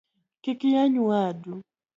Kik iyany wadu